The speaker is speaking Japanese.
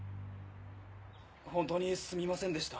本当にすみませんでした。